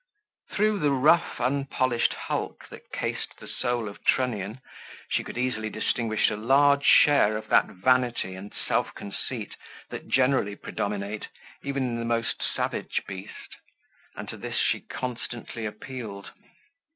Through the rough unpolished hulk that cased the soul of Trunnion, she could easily distinguish a large share of that vanity and self conceit that generally predominate even in the most savage beast; and to this she constantly appealed.